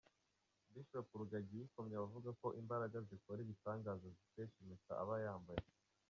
Bishop Rugagi yikomye abavuga ko imbaraga zikora ibitangaza azikesha impeta aba yambaye .